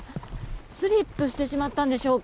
スリップしてしまったんでしょうか。